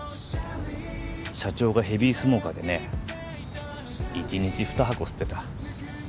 社長がヘビースモーカーでね１日２箱吸ってた。